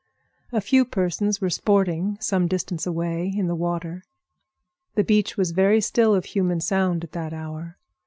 A few persons were sporting some distance away in the water. The beach was very still of human sound at that hour.